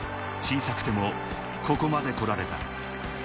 小さくてもここまで来られた。